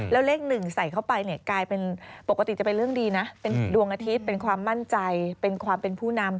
แล้วเลขหนึ่งใส่เข้าไปเนี่ยกลายเป็นปกติจะเป็นเรื่องดีนะเป็นดวงอาทิตย์เป็นความมั่นใจเป็นความเป็นผู้นำ